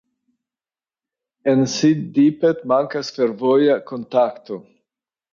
En Siddipet mankas fervoja kontakto.